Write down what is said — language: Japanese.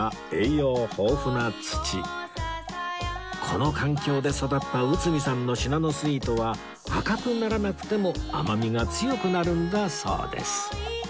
この環境で育った内海さんのシナノスイートは赤くならなくても甘みが強くなるんだそうです